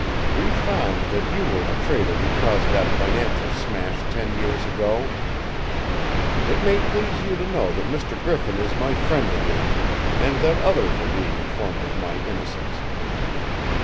We found that you were the traitor who caused that financial smash ten years ago. It may please you to know that Mr. Griffin is my friend again, and that others are being informed of my innocence.